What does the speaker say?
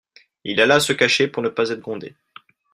Il alla se cacher pour ne pas être grondé.